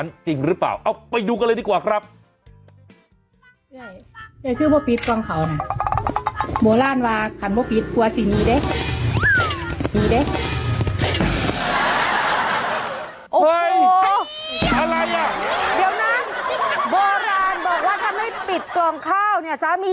โบราณบอกว่าถ้าไม่ปิดกล่องข้าวเนี่ยสามีจะหนี